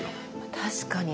確かに。